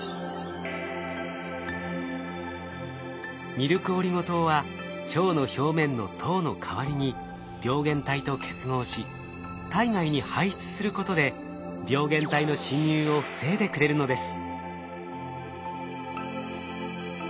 ミルクオリゴ糖は腸の表面の糖の代わりに病原体と結合し体外に排出することで病原体の侵入を防いでくれるのです。